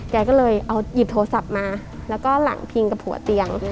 แกก็เลยเอาหยิบโทรศัพท์มาแล้วก็หลังพิงกับหัวเตียง